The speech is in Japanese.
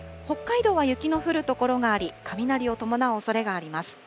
北海道は雪の降る所があり、雷を伴うおそれがあります。